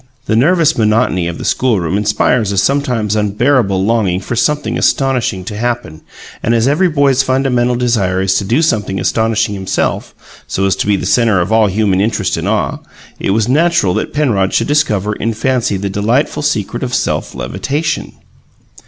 The nervous monotony of the schoolroom inspires a sometimes unbearable longing for something astonishing to happen, and as every boy's fundamental desire is to do something astonishing himself, so as to be the centre of all human interest and awe, it was natural that Penrod should discover in fancy the delightful secret of self levitation.